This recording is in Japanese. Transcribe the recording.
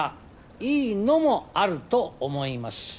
いいのもあると思います。